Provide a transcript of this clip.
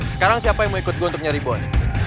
sekarang siapa yang mau ikut gue untuk nyari boy